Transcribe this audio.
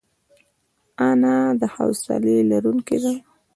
انا د حوصله لرونکې ده